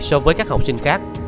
so với các học sinh khác